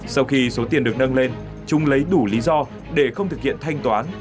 sau khi số tiền được nâng lên chúng lấy đủ lý do để không thực hiện thanh toán